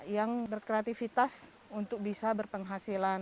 yang berkreativitas untuk bisa berpenghasilan